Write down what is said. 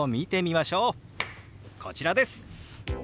こちらです！